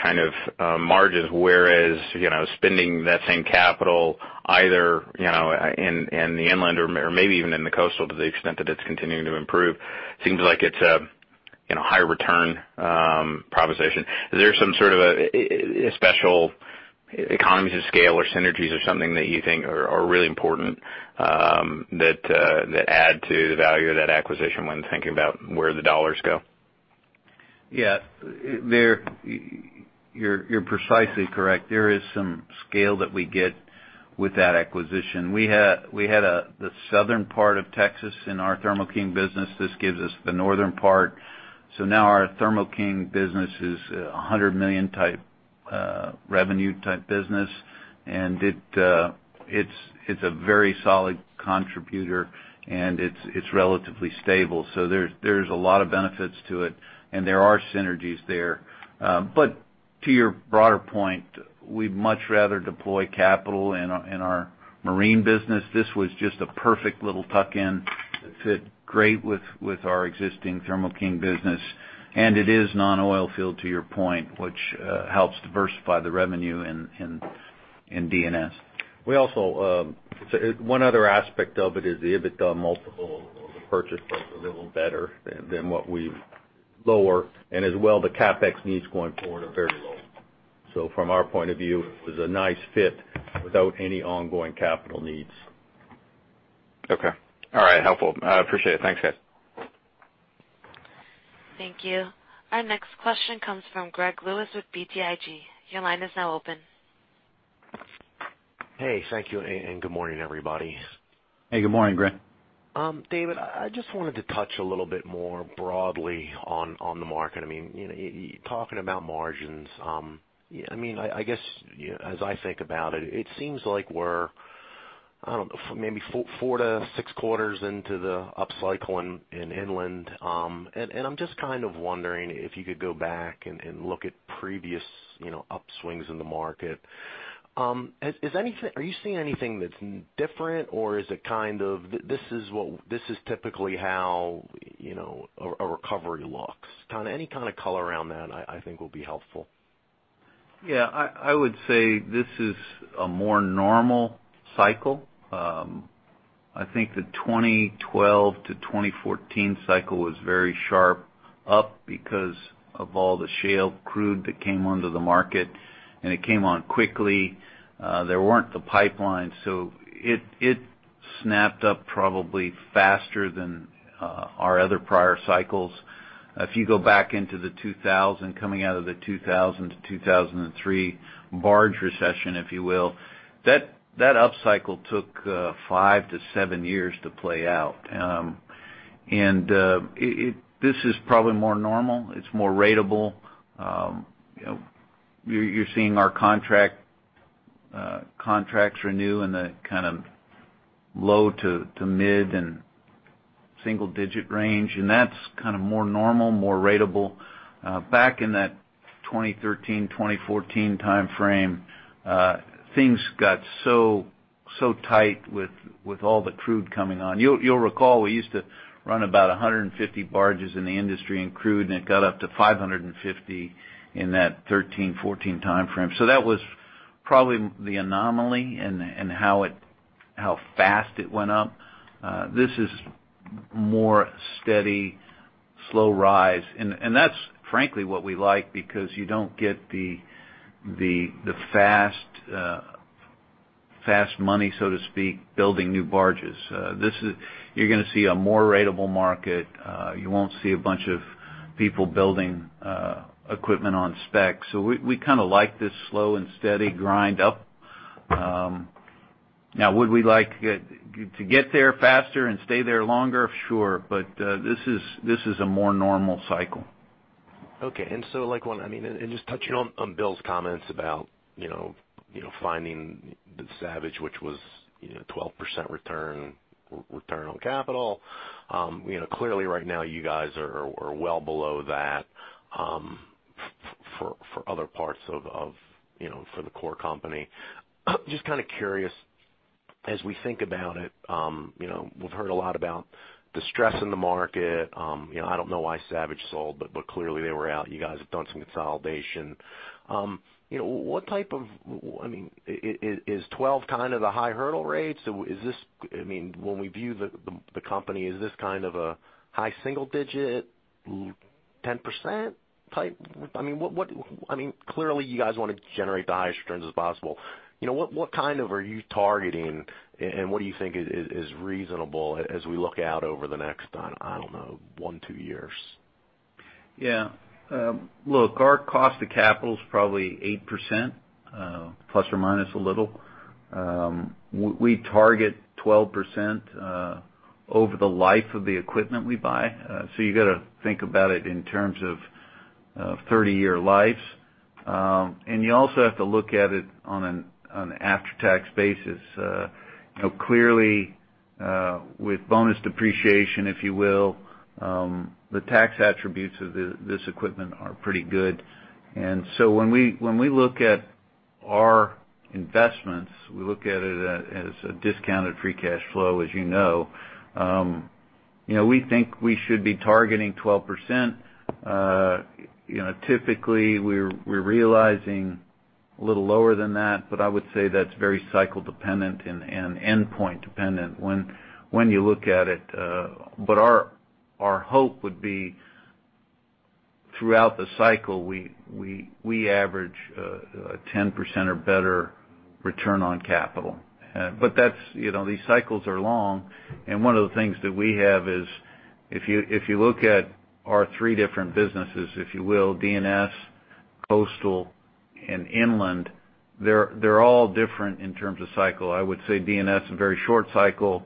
kind of margins, whereas, you know, spending that same capital either, you know, in the Inland or maybe even in the Coastal, to the extent that it's continuing to improve, seems like it's a, you know, high return proposition. Is there some sort of a special economies of scale or synergies or something that you think are really important, that add to the value of that acquisition when thinking about where the dollars go? Yeah, you're precisely correct. There is some scale that we get with that acquisition. We had the southern part of Texas in our Thermo King business. This gives us the northern part. So now our Thermo King business is a $100 million revenue type business, and it's a very solid contributor, and it's relatively stable. So there's a lot of benefits to it, and there are synergies there. But to your broader point, we'd much rather deploy capital in our Marine business. This was just a perfect little tuck-in, fit great with our existing Thermo King business, and it is non-oil field, to your point, which helps diversify the revenue in D&S.We also, so one other aspect of it is the EBITDA multiple of the purchase was a little better than what we viewed lower, and as well, the CapEx needs going forward are very low. So from our point of view, it was a nice fit without any ongoing capital needs. Okay. All right. Helpful. I appreciate it. Thanks, guys. Thank you. Our next question comes from Greg Lewis with BTIG. Your line is now open. Hey, thank you, and good morning, everybody. Hey, good morning, Greg. David, I just wanted to touch a little bit more broadly on the market. I mean, you know, talking about margins, I mean, I guess, you know, as I think about it, it seems like we're, I don't know, maybe 4-6 quarters into the upcycle in inland and I'm just kind of wondering if you could go back and look at previous, you know, upswings in the market. Are you seeing anything that's different or is it kind of, this is typically how, you know, a recovery looks? Kind of any kind of color around that, I think will be helpful. Yeah, I would say this is a more normal cycle. I think the 2012 to 2014 cycle was very sharp up because of all the shale crude that came onto the market, and it came on quickly. There weren't the pipelines, so it snapped up probably faster than our other prior cycles. If you go back into the 2000, coming out of the 2000 to 2003 barge recession, if you will, that upcycle took five to seven years to play out. This is probably more normal. It's more ratable. You know, you're seeing our contract contracts renew in the kind of low to mid and single digit range, and that's kind of more normal, more ratable. Back in that 2013, 2014 timeframe, things got so tight with all the crude coming on. You'll recall we used to run about 150 barges in the industry and crude, and it got up to 550 in that 2013, 2014 timeframe. So that was probably the anomaly and how fast it went up. This is more steady, slow rise, and that's frankly what we like, because you don't get the fast money, so to speak, building new barges. You're gonna see a more ratable market. You won't see a bunch of people building equipment on spec. So we kind of like this slow and steady grind up. Now, would we like it to get there faster and stay there longer? Sure, but, this is a more normal cycle. okay and so like, when, I mean, and just touching on, on Bill's comments about, you know, you know, finding the Savage, which was, you know, 12% return, return on capital. You know, clearly, right now, you guys are are well below that, for other parts for the core company. Just kind of curious, as we think about it, you know, we've heard a lot about the stress in the market. You know, I don't know why Savage sold, but but clearly, they were out. You guys have done some consolidation. You know, is 12 kind of the high hurdle rate? When we view the, the company, is this kind of a high single digit, 10% type? I mean, clearly, you guys want to generate the highest returns as possible. You know, what, what kind of are you targeting, and what do you think is, is reasonable as we look out over the next, I, I don't know, 1, 2 years? Yeah. Look, our cost of capital is probably 8% plus or minus a little. We target 12%, over the life of the equipment we buy. So you got to think about it in terms of 30-year lives and you also have to look at it on an after-tax basis. You know, clearly, with bonus depreciation, if you will, the tax attributes of this equipment are pretty good and so when we look at our investments, we look at it as a discounted free cash flow, as you know. You know, we think we should be targeting 12%. You know, typically, we're realizing a little lower than that, but I would say that's very cycle dependent and endpoint dependent when you look at it. But our hope would be, throughout the cycle, we average a 10% or better return on capital. But that's, you know, these cycles are long, and one of the things that we have is if you look at our three different businesses, if you will, D&S, Coastal, and inland, they're all different in terms of cycle. I would say D&S is a very short cycle.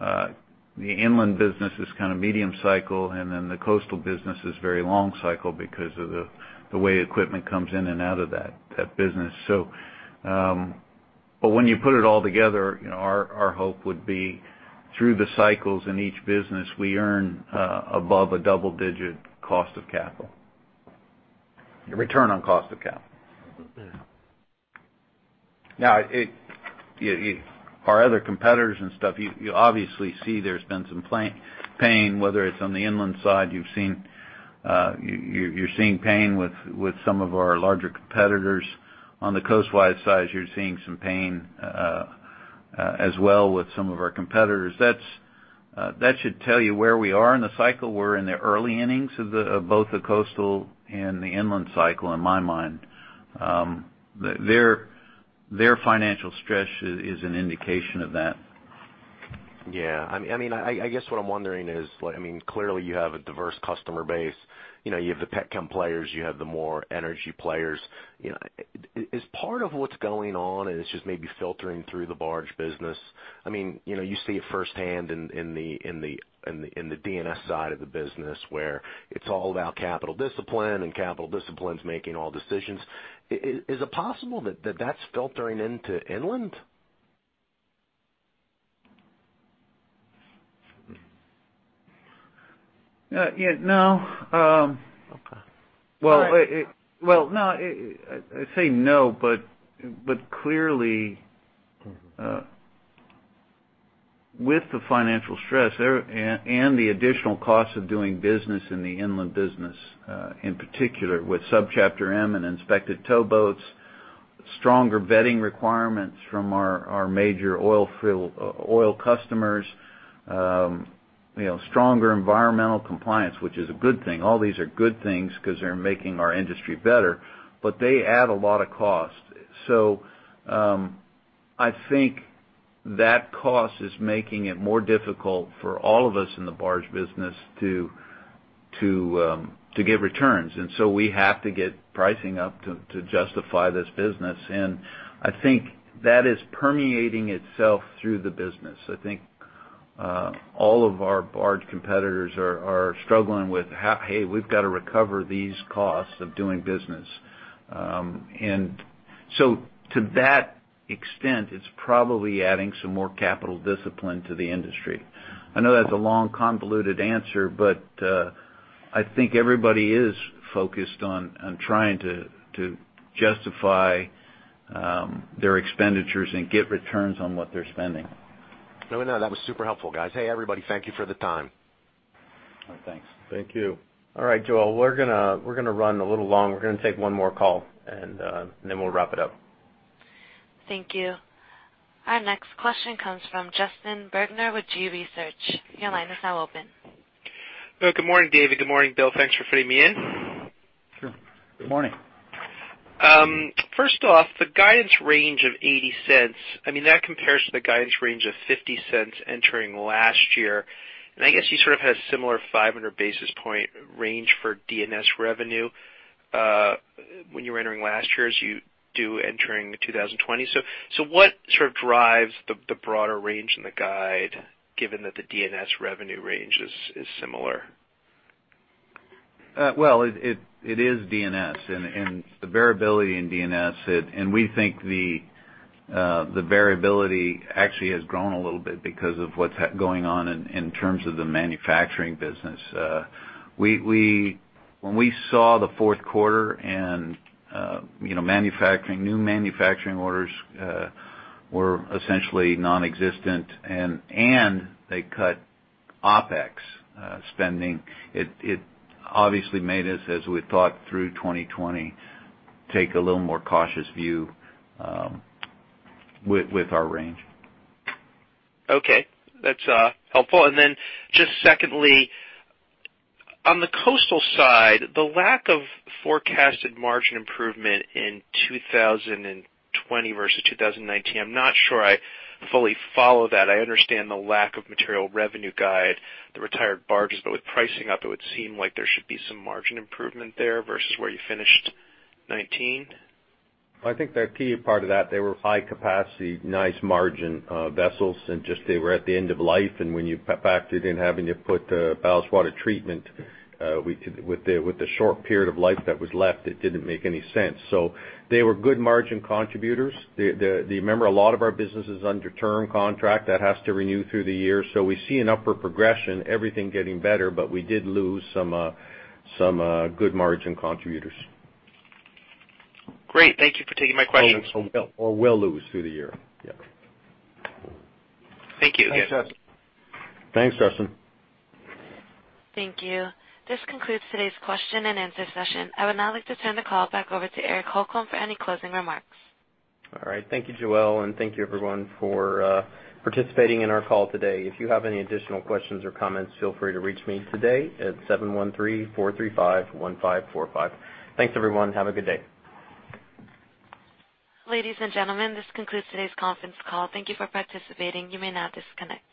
The Inland business is kind of medium cycle, and then the Coastal business is very long cycle because of the way equipment comes in and out of that business. So, but when you put it all together, you know, our hope would be through the cycles in each business, we earn above a double-digit cost of capital. Return on cost of capital. Our other competitors and stuff, you obviously see there's been some pain, whether it's on the Inland side, you've seen, you're seeing pain with some of our larger competitors. On the Coastal side, you're seeing some pain as well with some of our competitors. That should tell you where we are in the cycle. We're in the early innings of both the Coastal and the Inland cycle, in my mind. Their financial stress is an indication of that. Yeah. I mean, I guess what I'm wondering is, like, I mean, clearly, you have a diverse customer base. You know, you have the petchem players, you have the more energy players. You know, is part of what's going on, and it's just maybe filtering through the Barge business? I mean, you know, you see it firsthand in the D&S side of the business, where it's all about capital discipline, and capital discipline's making all decisions. Is it possible that that's filtering into Inland? Yeah, no. Well, no, I'd say no, but clearly with the financial stress and the additional costs of doing business in the Inland business, in particular, with Subchapter M and inspected towboats, stronger vetting requirements from our major oil field oil customers, you know, stronger environmental compliance, which is a good thing. All these are good things because they're making our industry better, but they add a lot of cost. So, I think that cost is making it more difficult for all of us in the barge business to get returns. So we have to get pricing up to justify this business, and I think that is permeating itself through the business. I think all of our barge competitors are struggling with "Hey, we've got to recover these costs of doing business." And so to that extent, it's probably adding some more capital discipline to the industry. I know that's a long, convoluted answer, but I think everybody is focused on trying to justify their expenditures and get returns on what they're spending. No, no, that was super helpful, guys. Hey, everybody, thank you for the time. Thank you. All right, Joelle, we're gonna, we're gonna run a little long. We're gonna take one more call, and then we'll wrap it up. Thank you. Our next question comes from Justin Bergner with G. Research. Your line is now open. Good morning, David. Good morning, Bill. Thanks for fitting me in. Sure. Good morning. First off, the guidance range of $0.80, I mean, that compares to the guidance range of $0.50 entering last year. I guess you sort of had a similar 500 basis point range for D&S revenue, when you were entering last year's, you do entering 2020. So what sort of drives the broader range in the guide, given that the D&S revenue range is similar? Well, it is D&S and the variability in D&S, and we think the variability actually has grown a little bit because of what's going on in terms of the Manufacturing business. We, when we saw the fourth quarter and, you know, manufacturing, new manufacturing orders were essentially nonexistent, and they cut OpEx spending, it obviously made us, as we thought through 2020, take a little more cautious view with our range. Okay, that's helpful. Then just secondly, on the Coastal side, the lack of forecasted margin improvement in 2020 versus 2019, I'm not sure I fully follow that. I understand the lack of material revenue guide, the retired barges, but with pricing up, it would seem like there should be some margin improvement there versus where you finished 2019. I think the key part of that, they were high capacity, nice margin, vessels, and just they were at the end of life and when you factored in having to put ballast water treatment, we could, with the short period of life that was left, it didn't make any sense. So they were good margin contributors. Remember, a lot of our business is under term contract. That has to renew through the year, so we see an upward progression, everything getting better, but we did lose some good margin contributors. Great. Thank you for taking my question. Will lose through the year. Yeah. Thank you again. Thanks, Justin. Thanks, Justin. Thank you. This concludes today's question-and-answer session. I would now like to turn the call back over to Eric Holcomb for any closing remarks. All right. Thank you, Joelle, and thank you everyone for participating in our call today. If you have any additional questions or comments, feel free to reach me today at 713-435-1545. Thanks, everyone. Have a good day. Ladies and gentlemen, this concludes today's conference call. Thank you for participating. You may now disconnect.